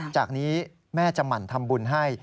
จากนี้แม่จะหมั่นทำบุญให้